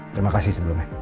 terima kasih sebelumnya